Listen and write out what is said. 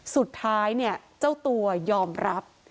สุดท้ายเนี่ยเจ้าตัวยอมรับ